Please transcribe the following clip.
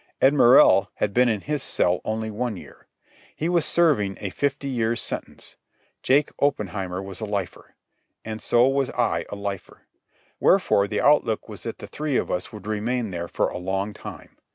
Ed Morrell had been in his cell only one year. He was serving a fifty years' sentence. Jake Oppenheimer was a lifer. And so was I a lifer. Wherefore the outlook was that the three of us would remain there for a long time.